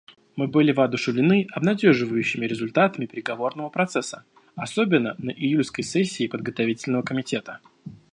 Мы были воодушевлены обнадеживающими результатами переговорного процесса, особенно на июльской сессии Подготовительного комитета.